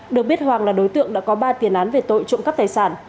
được biết hoàng là đối tượng đã có ba tiền án về tội trụng khắp tài sản